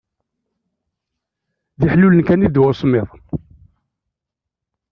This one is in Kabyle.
D iḥlulen kan i d ddwa n usemmiḍ.